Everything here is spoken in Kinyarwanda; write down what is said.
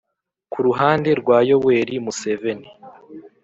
ku ruhande rwa yoweri museveni,